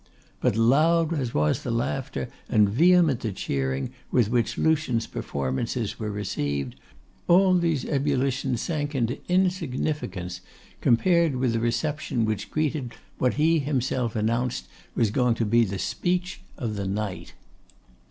But loud as was the laughter, and vehement the cheering, with which Lucian's performances were received, all these ebullitions sank into insignificance compared with the reception which greeted what he himself announced was to be the speech of the night.